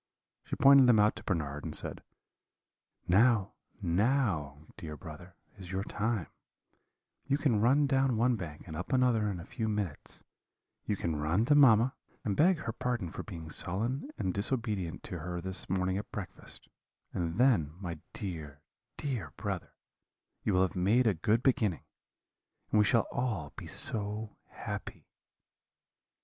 She pointed them out to Bernard, and said: "'Now, now, dear brother, is your time; you can run down one bank and up another in a few minutes; you can run to mamma, and beg her pardon for being sullen and disobedient to her this morning at breakfast; and then, my dear, dear brother, you will have made a good beginning, and we shall all be so happy.'